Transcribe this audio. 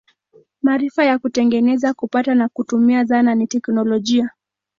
Maarifa ya kutengeneza, kupata na kutumia zana ni teknolojia.